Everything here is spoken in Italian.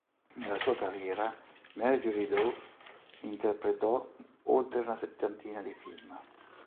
Nella sua carriera, Marjorie Daw interpretò oltre una settantina di film.